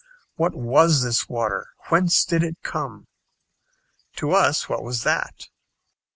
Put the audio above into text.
What was this water, whence did it come? To us what was that?